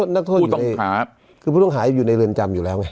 นักโทษคือผู้ต้องขายอยู่ในเรือนจำอยู่แล้วไง